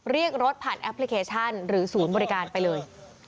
เรียกรถผ่านแอปพลิเคชันหรือศูนย์บริการไปเลย